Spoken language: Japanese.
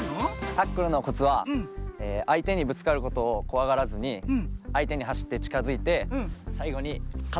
タックルのコツはあいてにぶつかることをこわがらずにあいてにはしってちかづいてさいごにかたで。